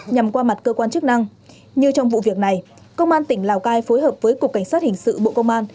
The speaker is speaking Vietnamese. nhằm qua mặt cơ quan chức năng như trong vụ việc này công an tỉnh lào cai phối hợp với cục cảnh sát hình sự bộ công an